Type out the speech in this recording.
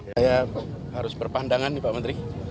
saya harus berpandangan nih pak menteri